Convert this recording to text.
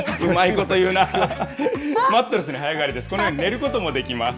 このように寝ることもできます。